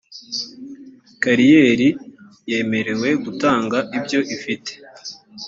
kariyeri yemerewe gutanga ibyo ifite